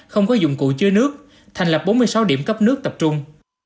không có dụng cụ chứa nước thành lập bốn mươi sáu điểm cấp nước tập trung